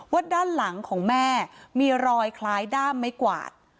ด้านหลังของแม่มีรอยคล้ายด้ามไม้กวาด